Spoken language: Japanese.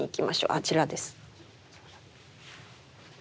あちらです。